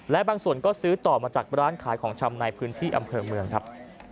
และบางส่วนก็ซื้อต่อมาจากร้านขายของชำในพื้นที่อำเภอเมืองครับ